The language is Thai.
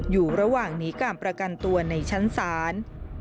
อยู่ระหว่างหนีการประกันตัวในชั้นศาล